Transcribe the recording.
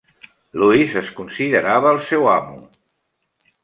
Lewis es considerava el seu amo.